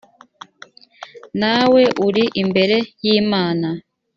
nawe uri imbere y imana